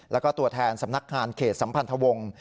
แล้วก็ตัวแทนสำนักงานเขตสัมพันธวงศ์